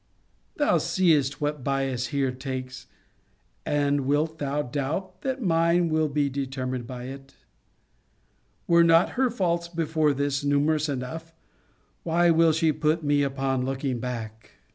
Thou seest what bias here takes And wilt thou doubt that mine will be determined by it? Were not her faults, before this, numerous enough? Why will she put me upon looking back?